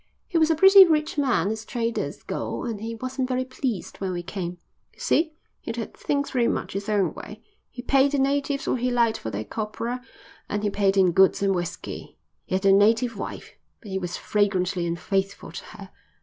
He was a pretty rich man as traders go and he wasn't very pleased when we came. You see, he'd had things very much his own way. He paid the natives what he liked for their copra, and he paid in goods and whiskey. He had a native wife, but he was flagrantly unfaithful to her.